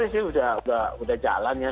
sudah jalan ya